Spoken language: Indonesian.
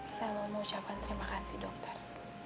saya mau mengucapkan terima kasih dokter